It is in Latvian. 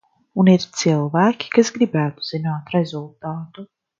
Un ir cilvēki, kas gribētu zināt rezultātu.